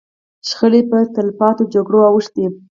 شخړې پر تلپاتو جګړو اوښتې.